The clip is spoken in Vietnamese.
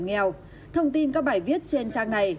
nghèo thông tin các bài viết trên trang này